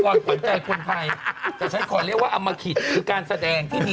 โบยกระดาษนะครับพรุ่งนี้กลับมาเจอกันใหม่